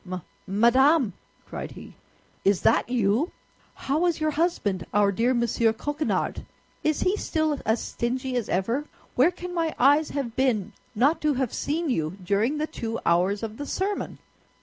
"Ma madame!" cried he; "is that you? How is your husband, our dear Monsieur Coquenard? Is he still as stingy as ever? Where can my eyes have been not to have seen you during the two hours of the sermon?"